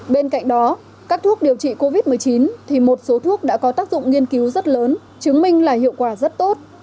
bên cạnh đó các thuốc điều trị covid một mươi chín thì một số thuốc đã có tác dụng nghiên cứu rất lớn chứng minh là hiệu quả rất tốt